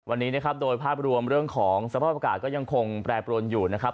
วันนี้นะครับโดยภาพรวมเรื่องของสภาพอากาศก็ยังคงแปรปรวนอยู่นะครับ